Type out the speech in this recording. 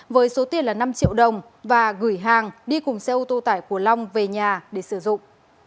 với số tiền là năm triệu đồng và gửi hàng đi cùng xe ô tô tải của long về nhà để sử dụng